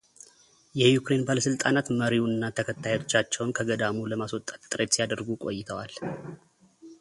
የዩክሬን ባለሥልጣናት መሪውና ተከታዮቻቸውን ከገዳሙ ለማስወጣት ጥረት ሲያደርጉ ቆይተዋል።